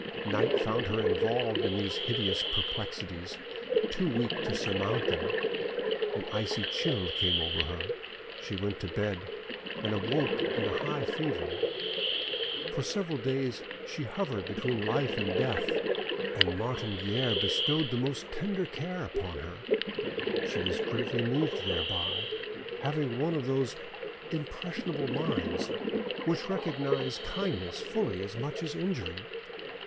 Night found her involved in these hideous perplexities, too weak to surmount them; an icy chill came over her, she went to bed, and awoke in a high fever. For several days she hovered between life and death, and Martin Guerre bestowed the most tender care upon her. She was greatly moved thereby, having one of those impressionable minds which recognise kindness fully as much as injury.